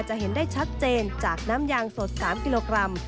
จะเห็นได้ชัดเจนจากน้ำยางสด๓กิโลกรัม